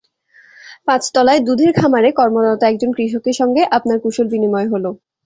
পাঁচতলায় দুধের খামারে কর্মরত একজন কৃষকের সঙ্গে আপনার কুশল বিনিময় হলো।